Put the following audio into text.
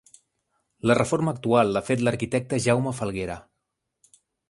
La reforma actual l’ha fet l’arquitecte Jaume Falguera.